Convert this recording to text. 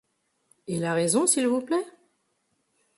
Et la raison, s’il vous plaît?